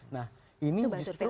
nah ini justru